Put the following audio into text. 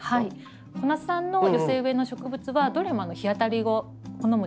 小夏さんの寄せ植えの植物はどれも日当たりを好む